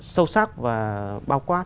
sâu sắc và bao quát